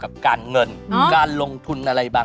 อาจารย์น่ะ